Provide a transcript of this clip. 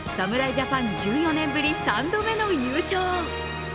ジャパン１４年ぶり３度目の優勝。